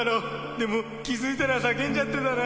でも、気付いたら叫んじゃってたな。